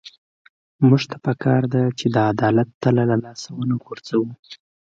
موږ ته پکار ده چې د عدالت تله له لاسه ونه غورځوو.